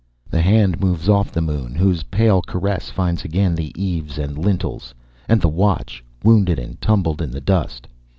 The hand moves off the moon whose pale caress finds again the eaves and lintels, and the watch, wounded and tumbled in the dust.